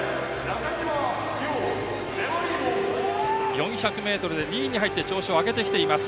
４００ｍで２位に入って調子を上げてきています。